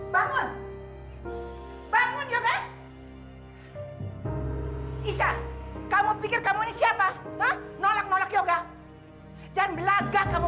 bangun bangun juga bisa kamu pikir kamu siapa nolak nolak yoga dan belaga kamu